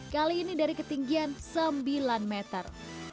kali ini dari ketinggian sembilan meter